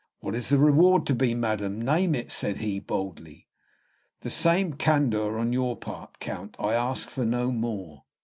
"What is the reward to be, madam? Name it," said he, boldly. "The same candor on your part, Count; I ask for no more."